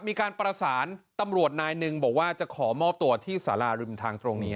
มีการประสานตำรวจนายหนึ่งบอกว่าจะขอมอบตัวที่สาราริมทางตรงนี้